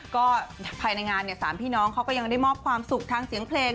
ก็ภายในงานเนี่ย๓พี่น้องเขาก็ยังได้มอบความสุขทางเสียงเพลง